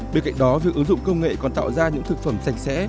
bên cạnh đó việc ứng dụng công nghệ còn tạo ra những thực phẩm sạch sẽ